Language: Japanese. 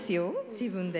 自分で。